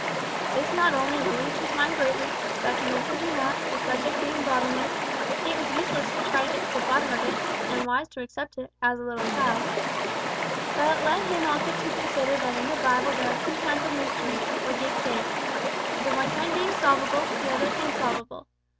This not only relieved his mind greatly, by convincing him that, the subject being bottomless, it was useless to try to get to the bottom of it, and wise to accept it "as a little child," but it led him also to consider that in the Bible there are two kinds of mysteries, or deep things the one kind being solvable, the other unsolvable.